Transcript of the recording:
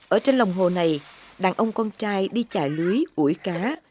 ở trên lồng hồ này đàn ông con trai đi chạy lưới ủi cá